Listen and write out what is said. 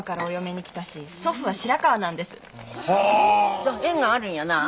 じゃ縁があるんやなあ。